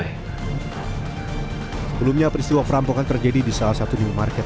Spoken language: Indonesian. sebelumnya peristiwa perampokan terjadi di salah satu minimarket